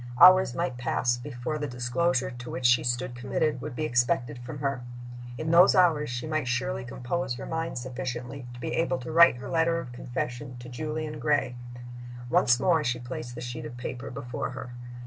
Hours might pass before the disclosure to which she stood committed would be expected from her. In those hours she might surely compose her mind sufficiently to be able to write her letter of confession to Julian Gray. Once more she placed the sheet of paper before her.